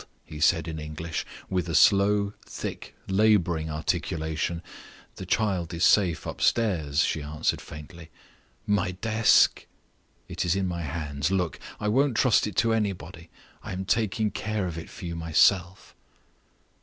he said in English, with a slow, thick, laboring articulation. "The child is safe upstairs," she answered, faintly. "My desk?" "It is in my hands. Look! I won't trust it to anybody; I am taking care of it for you myself."